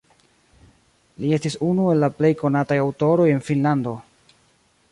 Li estis unu el la plej konataj aŭtoroj en Finnlando.